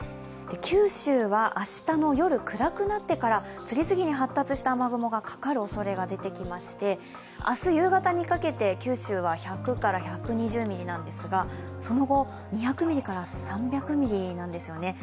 九州は明日の夜、暗くなってから次々に発達した雨雲がかかるおそれが出てきまして、明日夕方にかけて九州は１００から１２０ミリなんですが、その後、２００ミリから３００ミリなんですよね。